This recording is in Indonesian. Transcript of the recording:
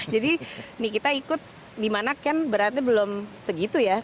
jadi nih kita ikut dimana ken beratnya belum segitu ya